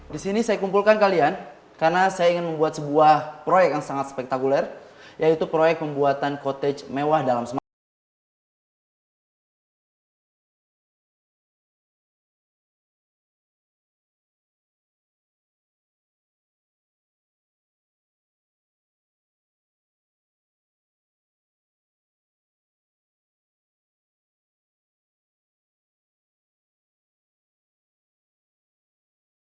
di sini saya kumpulkan kalian karena saya ingin membuat sebuah proyek yang sangat spektakuler yaitu proyek pembuatan kotej mewah dalam semangat